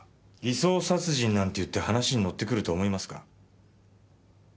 偽装殺人なんて言って話に乗ってくると思いますか？